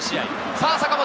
さぁ坂本！